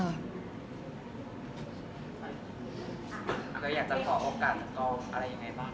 ก็อยากจะขอโอกาสอะไรยังไงบ้าง